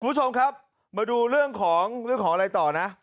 คุณผู้ชมครับมาดูเรื่องของเรื่องของอะไรต่อนะ